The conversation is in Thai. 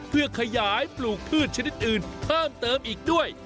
เพื่อขยายปลูกพืชชนิดอื่นเพิ่มเติมอีกด้วย